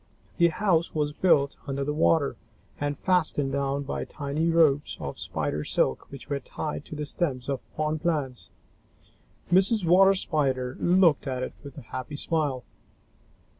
The house was built under the water and fastened down by tiny ropes of Spider silk which were tied to the stems of pond plants. Mrs. Water Spider looked at it with a happy smile.